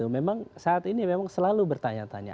memang saat ini memang selalu bertanya tanya